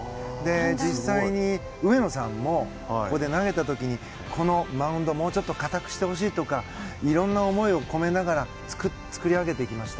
実際に、上野さんもここで投げた時にこのマウンドもうちょっと硬くしてほしいとかいろんな思いを込めながら作り上げていきました。